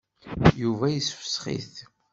Yuba yessefsex-it.